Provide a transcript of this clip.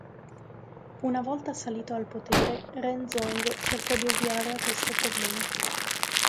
Una volta salito al potere, Ren Zong cercò di ovviare a questo problema.